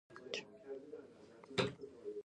کاش دا نوښتونه د انسان د آسوده ګۍ لپاره وای